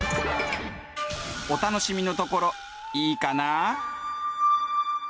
お楽しみのところいいかなぁ？